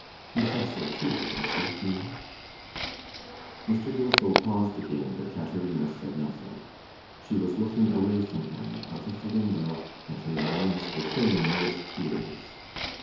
You think so too, don't you, Tina?' Mr. Gilfil paused again, but Caterina said nothing. She was looking away from him, out of the window, and hereyes were filling with tears.